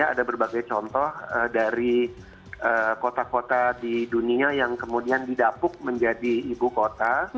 ada berbagai contoh dari kota kota di dunia yang kemudian didapuk menjadi ibu kota